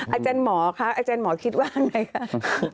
อาจารย์หมอคะอาจารย์หมอคิดว่าอะไรคะ